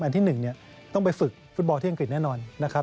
ที่๑ต้องไปฝึกฟุตบอลที่อังกฤษแน่นอนนะครับ